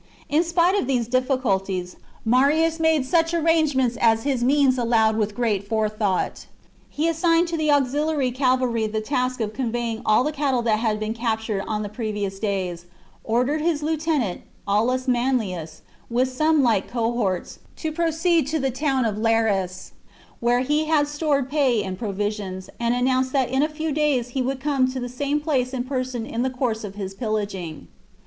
In spite of these difficulties, Marius made such arrangements as his means allowed with great forethought ; he assigned to the auxiliary cavalry the task of conveying all the cattle that had been cap tured on the previous days, ordered his lieutenant, Aulus Manlius, with some light cohorts, to proceed to the town of Laris, where he had stored pay and pro visions, and announced that in a few days he would come to the same place in person in the course of his pillaging.